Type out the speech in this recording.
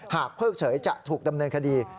เพิกเฉยจะถูกดำเนินคดี